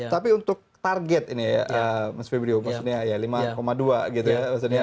tapi untuk target ini ya mas fibrio lima dua gitu ya